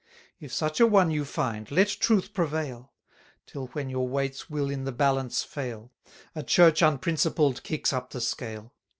If such a one you find, let truth prevail: Till when your weights will in the balance fail: A Church unprincipled kicks up the scale.